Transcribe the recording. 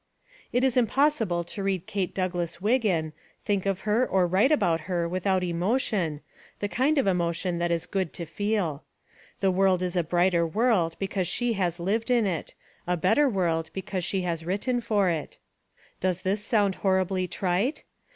It is impossible to read Kate Douglas Wiggin, think of her or write about her without emotion, the 121 122 THE WOMEN WHO MAKE OUR NOVELS kind of emotion that it is good to feel. The world is a brighter world because she has lived in it, a better world because she has written for it. Does this sound horribly trite